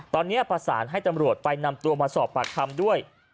ตอนนี้ประสานให้ตำรวจไปนำตัวมาสอบปากคำด้วย